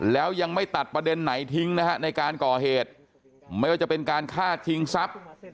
แล้วยังไม่ตัดประเด็นไหนทิ้งนะฮะในการก่อเหตุไม่ว่าจะเป็นการฆ่าชิงทรัพย์